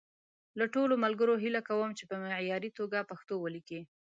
له ټولو ملګرو هیله کوم چې په معیاري توګه پښتو وليکي.